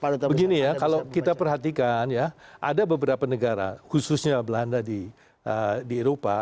begini ya kalau kita perhatikan ya ada beberapa negara khususnya belanda di eropa